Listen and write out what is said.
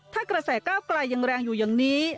ถ้ากระแสก้าวไกลยังแรงอยู่อย่างนี้